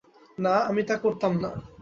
না, আমি তা করতাম না।